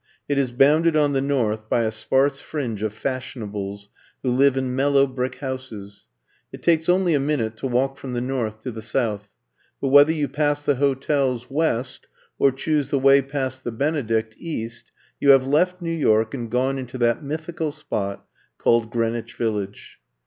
It is bounded on the north by a sparse fringe of fashionables who live in mellow brick houses. It takes only a min ute to walk from the north to the south, but whether you pass the hotels — west, or choose the way past the Benedict — east, you have left New York and gone into that mythical spot called Greenwich Village.